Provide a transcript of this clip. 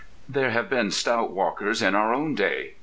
There have been stout walkers in our own day.